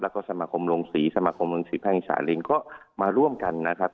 แล้วก็สมาคมลงสีสมาคมลงสีแผ้งอิสาหริงก็มาร่วมกันนะครับ